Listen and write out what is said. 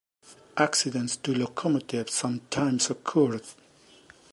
Accidents to locomotives sometimes occurred.